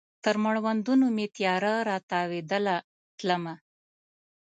تر مړوندونو مې تیاره را تاویدله تلمه